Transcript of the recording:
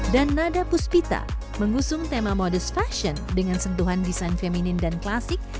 dan nada puspita mengusung tema modest fashion dengan sentuhan desain feminin dan klasik